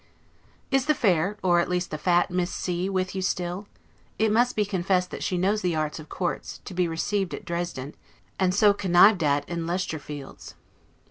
Is the fair, or at least the fat, Miss C with you still? It must be confessed that she knows the arts of courts, to be so received at Dresden, and so connived at in Leicester fields.